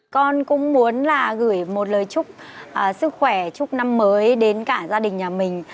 con cũng muốn là gửi một lời chúc sức khỏe chúc năm mới đến cả gia đình nhà mình